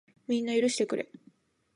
みんな、許してくれ。